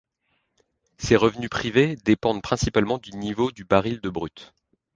Ses revenus privés dépendent principalement du niveau du baril de brut.